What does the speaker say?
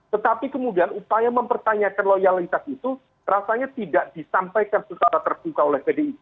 tetapi kemudian upaya mempertanyakan loyalitas itu rasanya tidak disampaikan secara terbuka oleh pdip